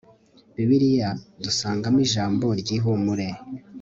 bibiliya dusangamo ijambo ryihumure